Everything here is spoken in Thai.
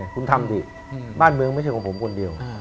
คุณทำดิบ้านเมืองไม่ใช่ของผมคนเดียว